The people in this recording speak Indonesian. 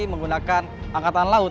menggunakan angkatan laut